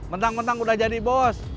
mentang mentang udah jadi bos